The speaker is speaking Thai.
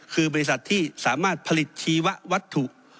คือบริษัทที่สามารถผลิตชีวัตถุ